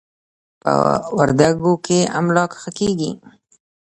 په وردکو کې املاک ښه کېږي.